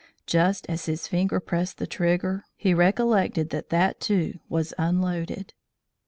Just as his finger pressed the trigger, he recollected that that, too, was unloaded.